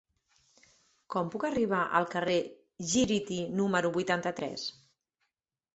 Com puc arribar al carrer Gíriti número vuitanta-tres?